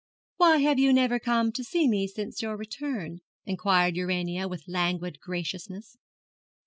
'Why have you never come to see me since your return?' inquired Urania, with languid graciousness.